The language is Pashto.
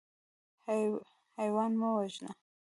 حیوان مه وژنه.